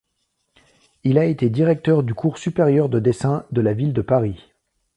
Il a été directeur du cours supérieur de dessin de la Ville de Paris.